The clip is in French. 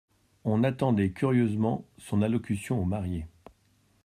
On attendait curieusement son allocution aux mariés.